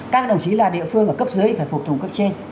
các đồng chí là địa phương ở cấp dưới phải phục tùng cấp trên